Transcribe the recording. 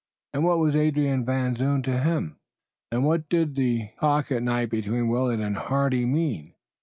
and what was Adrian Van Zoon to him? And what did the talk at night between Willet and Hardy mean?